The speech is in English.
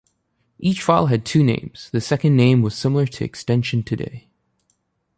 Each file had two names, the second name was similar to extension today.